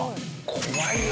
怖いよ